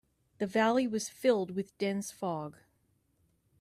The valley was filled with dense fog.